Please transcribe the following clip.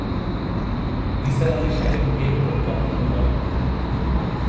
নিসার আলি সাহেব এ রকম কখনো করেন না।